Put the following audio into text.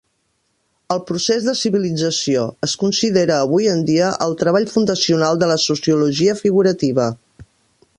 "El procés de civilització" es considera avui en dia el treball fundacional de la Sociologia figurativa.